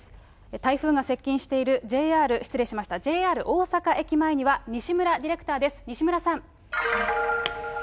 台風が接近しているＪＲ大阪駅前には西村ディレクターです。